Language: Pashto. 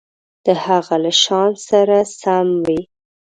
د هغه له شأن سره سم وي.